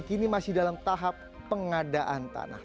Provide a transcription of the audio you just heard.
kini masih dalam tahap pengadaan tanah